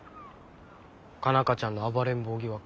佳奈花ちゃんの暴れん坊疑惑。